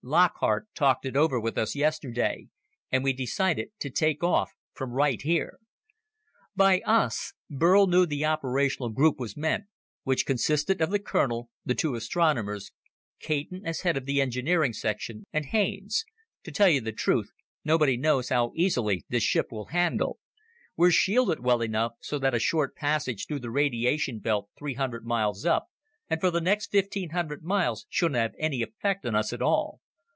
"Lockhart talked it over with us yesterday, and we decided to take off from right here." By "us," Burl knew the operational group was meant, which consisted of the colonel, the two astronomers, Caton as head of the engineering section, and Haines, "To tell the truth, nobody knows how easily this ship will handle. We're shielded well enough so that a short passage through the radiation belt three hundred miles up and for the next fifteen hundred miles shouldn't have any effect on us at all.